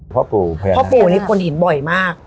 พ่อปู่พ่อปู่นี่คนเห็นบ่อยมาก